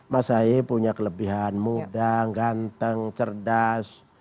mas ahi punya kelebihan muda ganteng cerdas